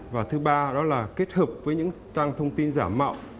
và thứ ba đó là kết hợp với những trang thông tin giả mạo